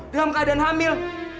dengan keadaan hamil